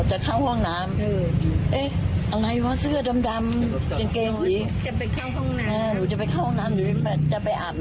หนูเอามือเนี่ยรับมีดมันไงเอามือเนี่ยรับมีดมัน